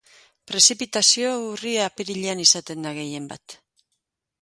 Prezipitazio urria apirilean izaten da gehien bat